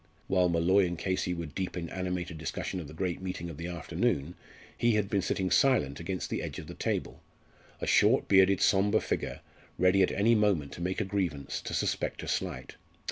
While Molloy and Casey were deep in animated discussion of the great meeting of the afternoon he had been sitting silent against the edge of the table a short bearded sombre figure, ready at any moment to make a grievance, to suspect a slight.